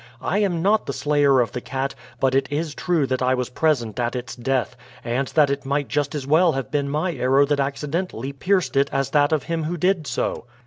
I am not the slayer of the cat, but it is true that I was present at its death, and that it might just as well have been my arrow that accidentally pierced it as that of him who did so."